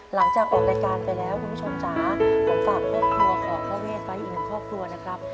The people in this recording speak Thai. หลังจากออกรายการไปแล้วคุณผู้ชมจ๋าผมฝากครอบครัวของพ่อเวทไว้อีกหนึ่งครอบครัวนะครับ